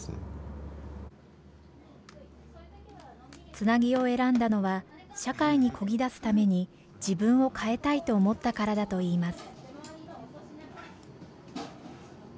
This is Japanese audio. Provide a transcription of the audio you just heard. つなぎを選んだのは社会にこぎ出すために自分を変えたいと思ったからだといいます。